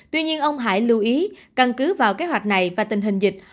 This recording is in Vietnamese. tuy nhiên ông hải lưu ý căn cứ vào kế hoạch này và tình hình dịch